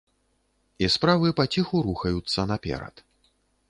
І справы паціху рухаюцца наперад.